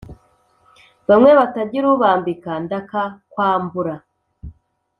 Bamwe batagira ubambika, ndakakwambura!